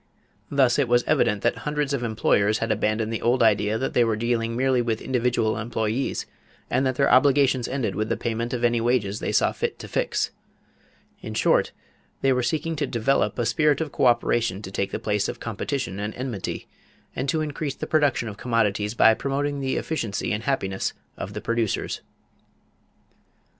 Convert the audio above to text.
Thus it was evident that hundreds of employers had abandoned the old idea that they were dealing merely with individual employees and that their obligations ended with the payment of any wages they saw fit to fix. In short, they were seeking to develop a spirit of coöperation to take the place of competition and enmity; and to increase the production of commodities by promoting the efficiency and happiness of the producers.